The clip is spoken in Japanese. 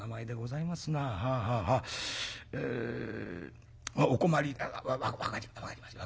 ええお困り分かりました